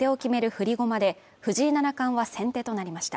振り駒で藤井七冠は先手となりました